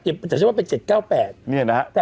ก็ไม่รู้ว่าเจ็ดเก้าแปดเนี่ยนะครับ